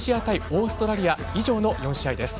オーストラリア以上の４試合です。